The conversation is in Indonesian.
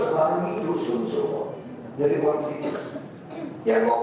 dan nongskoret di kalisempio